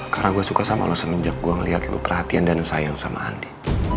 karena gue suka sama lo semenjak gue ngeliat lo perhatian dan sayang sama andi